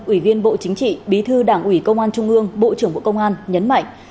ủy viên bộ chính trị bí thư đảng ủy công an trung ương bộ trưởng bộ công an nhấn mạnh